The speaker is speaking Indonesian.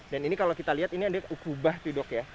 dan ini kalau kita lihat ini ada ukubah tudok ya